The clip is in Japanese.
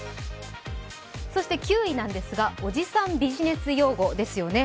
９位なんですがおじさんビジネス用語ですよね。